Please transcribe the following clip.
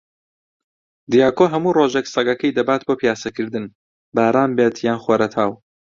دیاکۆ هەموو ڕۆژێک سەگەکەی دەبات بۆ پیاسەکردن، باران بێت یان خۆرەتاو.